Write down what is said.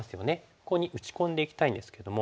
ここに打ち込んでいきたいんですけども。